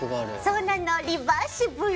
そうなのリバーシブル。